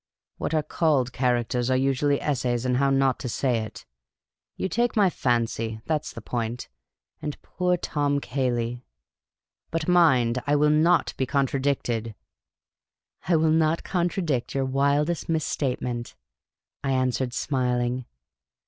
What are called characters are usually essays in how not to say it. You take my fancy ; that 's the point ! And poor Tom Cayley ! But, mind, I will not he contradicted." " I will not contradict your wildest misstatement," I an swered, smiling.